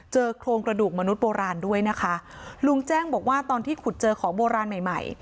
โครงกระดูกมนุษย์โบราณด้วยนะคะลุงแจ้งบอกว่าตอนที่ขุดเจอของโบราณใหม่ใหม่